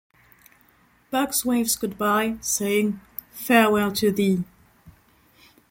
Bugs waves goodbye, saying: "Farewell to thee".